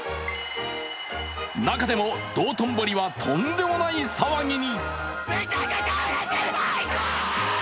中でも道頓堀はとんでもない騒ぎに。